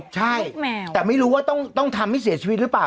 ใช่แต่ไม่รู้ว่าต้องทำให้เสียชีวิตหรือเปล่า